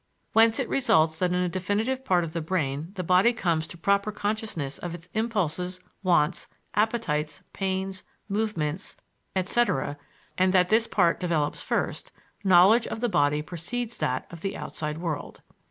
Whence it results that in a definite part of the brain the body comes to proper consciousness of its impulses, wants, appetites, pains, movements, etc., and that this part develops first "knowledge of the body precedes that of the outside world."